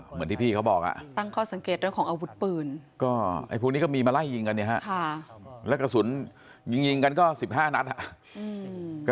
เหมือนที่พี่เขาบอกตั้งข้อสังเกตของอาวุธปืนก็พวกนี้ก็มีมาไล่ยิงกันนะครับแล้วกระสุนยิงกันก็๑๕นัดครับ